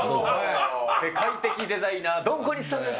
世界的デザイナー、ドン小西さんです。